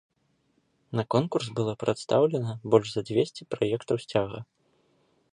На конкурс было прадстаўлена больш за дзвесце праектаў сцяга.